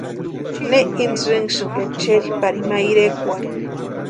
¿Ne intsïsïnki echeri pari ma irekwarhini?